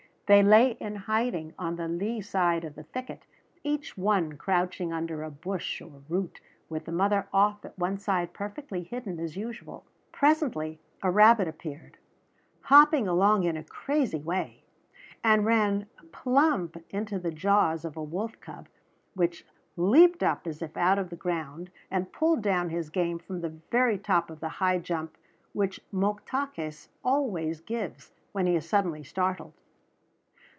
They lay in hiding on the lee side of the thicket, each one crouching under a bush or root, with the mother off at one side perfectly hidden as usual. Presently a rabbit appeared, hopping along in a crazy way, and ran plump into the jaws of a wolf cub, which leaped up as if out of the ground, and pulled down his game from the very top of the high jump which Moktaques always gives when he is suddenly startled.